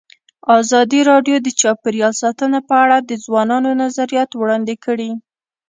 ازادي راډیو د چاپیریال ساتنه په اړه د ځوانانو نظریات وړاندې کړي.